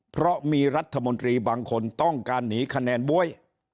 เพราะมีรัฐมนตรีบางคนต้องการหนีคะแนนบ๊วย